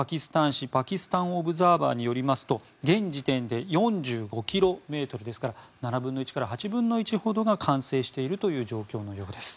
紙パキスタン・オブザーバーによりますと現時点で４５ｋｍですから７分の１から８分の１ほどが完成しているという状況のようです。